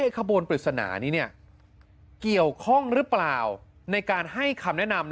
ขบวนปริศนานี้เกี่ยวข้องหรือเปล่าในการให้คำแนะนำ